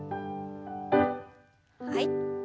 はい。